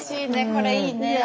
これいいね。